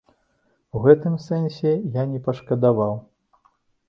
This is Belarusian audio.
У гэтым сэнсе я не пашкадаваў.